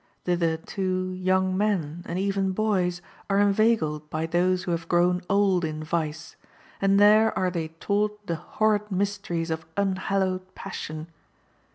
Thither, too, young men, and even boys, are inveigled by those who have grown old in vice, and there are they taught the horrid mysteries of unhallowed passion.